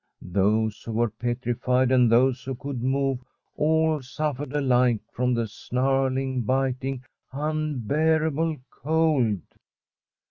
Those who were petrified and those who could move, all suffered alike from the snarling, biting, unbearable cold.